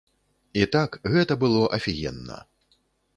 І так, гэта было афігенна.